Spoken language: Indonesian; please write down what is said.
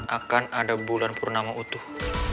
akan ada bulan purnama utuh